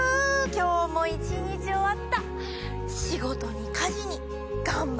今日も一日終わった。